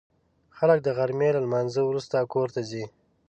خلک د غرمې له لمانځه وروسته کور ته ځي